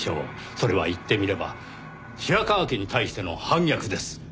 それは言ってみれば白河家に対しての反逆です。